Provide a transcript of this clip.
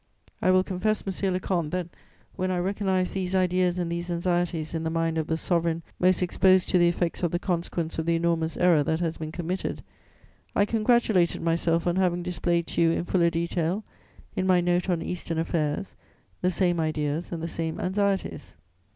"I will confess, monsieur le comte, that, when I recognised these ideas and these anxieties in the mind of the Sovereign most exposed to the effects of the consequence of the enormous error that has been committed, I congratulated myself on having displayed to you in fuller detail, in my Note on Eastern Affairs, the same ideas and the same anxieties.